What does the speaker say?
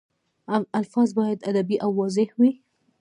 الفاظ باید ادبي او واضح وي.